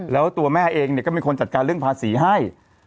แล้วตัวแม่เองเนี่ยก็เป็นคนจัดการเรื่องภาษีให้